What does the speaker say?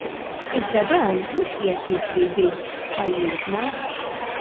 Iżda dan mhux qiegħed jiġri biss f'pajjiżna.